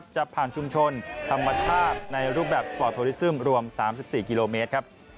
จะผ่านชุมชนธรรมชาติในรูปแบบสปอร์ตโทรลิซึมรวม๓๔กิโลเมตรครับ